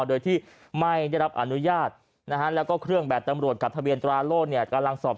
โดยที่ไม่ได้รับอนุญาตนะฮะแล้วก็เครื่องแบบตำรวจกับทะเบียนตราโล่เนี่ยกำลังสอบ